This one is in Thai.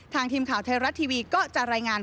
ทางทีมข่าวเทรารัสทีวีก็จะรายงาน